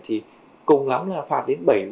thì cùng lắm là phạt đến bảy